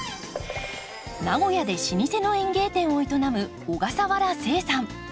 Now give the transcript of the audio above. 名古屋で老舗の園芸店を営む小笠原誓さん。